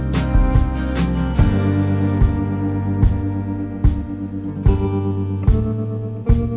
ไม่อยากทดลองส่งตั้งจากที่นั่นค่ะ